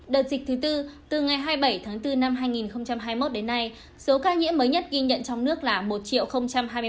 đợt dịch thứ bốn từ ngày hai mươi bảy tháng bốn năm hai nghìn hai mươi một đến nay số ca nhiễm mới nhất ghi nhận trong nước là một hai mươi một bốn trăm chín mươi ba ca